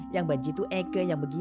yang baju itu eke yang begini